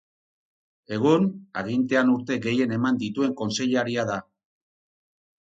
Egun, agintean urte gehien eman dituen kontseilaria da.